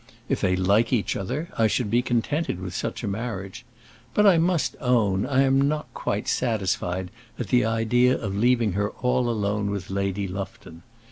If they like each other, I should be contented with such a marriage. But, I must own, I am not quite satisfied at the idea of leaving her all alone with Lady Lufton.